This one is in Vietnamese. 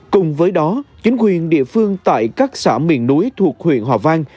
cùng với đó chính quyền địa phương tại các xã miền núi thuộc huyện hòa vang